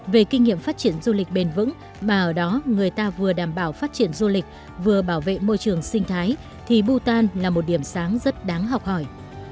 về kinh nghiệm phát triển du lịch bền vững mà ở đó người ta vừa đảm bảo phát triển du lịch vừa bảo vệ môi trường sinh thái thì bhutan là một điểm sáng rất đáng học hỏi